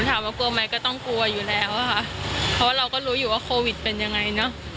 ถามว่ากลัวไหมก็ต้องกลัวอยู่แล้วค่ะเพราะว่าเราก็รู้อยู่ว่าโควิดเป็นยังไงเนอะ